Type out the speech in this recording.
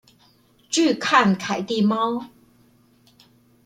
拒看凱蒂貓